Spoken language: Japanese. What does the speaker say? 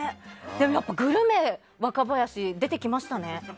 でもやっぱり、グルメ若林が出てきましたね。